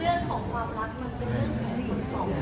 เรื่องของความรักมันคือไม่เหมือนสองคน